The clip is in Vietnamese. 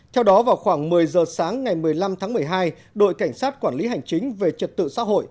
theo đó vào khoảng một mươi giờ sáng ngày một mươi năm tháng một mươi hai đội cảnh sát quản lý hành chính về trật tự xã hội